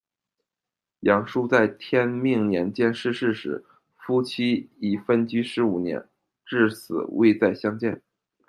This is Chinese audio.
扬书在天命年间逝世时，夫妻已分居十五年，至死未再相见。